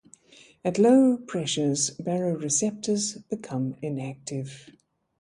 At low pressures, baroreceptors become inactive.